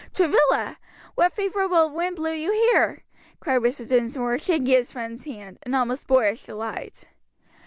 "Travilla! what favorable wind blew you here?" cried Mr. Dinsmore, shaking his friend's hand, in almost boyish delight.